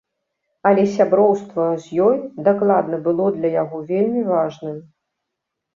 Але сяброўства з ёй дакладна было для яго вельмі важным.